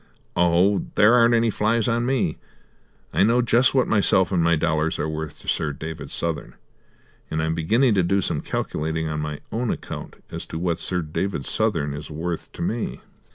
Oh, there aren't any flies on me! I know just what myself and dollars are worth to Sir David Southern, and I'm beginning to do some calculating on my own account as to what Sir David Southern is worth to me."